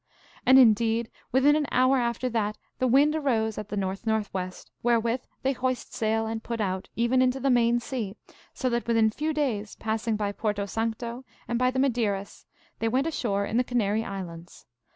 And, indeed, within an hour after that the wind arose at the north north west, wherewith they hoist sail, and put out, even into the main sea, so that within few days, passing by Porto Sancto and by the Madeiras, they went ashore in the Canary Islands.